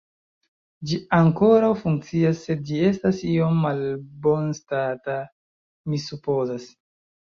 Ĝi ankoraŭ funkcias, sed ĝi estas iom malbonstata, mi supozas.